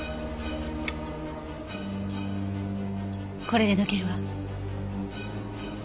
これで抜けるわ。